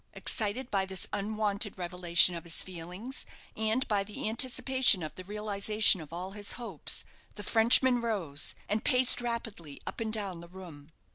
Excited by this unwonted revelation of his feelings, and by the anticipation of the realization of all his hopes, the Frenchman rose, and paced rapidly up and down the room.